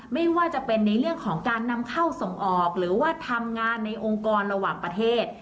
ไม่ว่าจะเป็นในเรื่องของการนำเข้าส่งออกหรือว่าทำงานในองค์กรระหว่างประเทศ